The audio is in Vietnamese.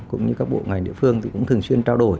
cũng như các bộ ngành địa phương thì cũng thường xuyên trao đổi